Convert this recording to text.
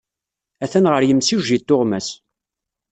Atan ɣer yimsujji n tuɣmas.